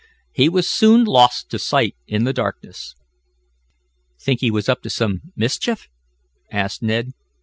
He was soon lost to sight in the darkness. "Think he was up to some mischief?" asked Ned.